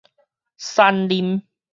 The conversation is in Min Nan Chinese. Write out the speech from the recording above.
瘦啉